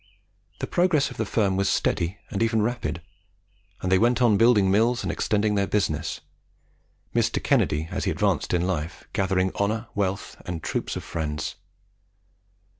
The progress of the firm was steady and even rapid, and they went on building mills and extending their business Mr. Kennedy, as he advanced in life, gathering honour, wealth, and troops of friends.